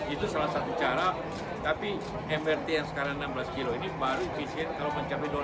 itu salah satu cara tapi mrt yang sekarang enam belas kilo ini baru efisien kalau mencapai dua ratus